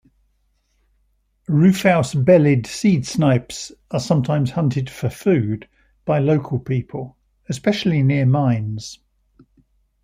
Rufous-bellied seedsnipes are sometimes hunted for food by local people, especially near mines.